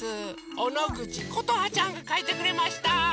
おのぐちことはちゃんがかいてくれました！